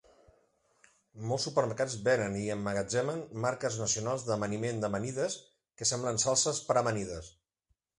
Molts supermercats venen i emmagatzemen marques nacionals d'amaniment d'amanides que semblen salses per a amanides.